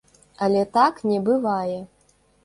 Але так не бывае!